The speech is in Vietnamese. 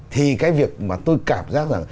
thì cái việc mà tôi cảm giác rằng